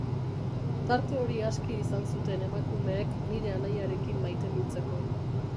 Tarte hori aski izan zuten emakumeek nire anaiarekin maitemintzeko.